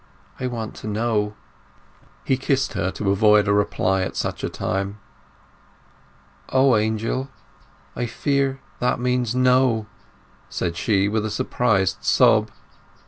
I want to know." He kissed her to avoid a reply at such a time. "O, Angel—I fear that means no!" said she, with a suppressed sob.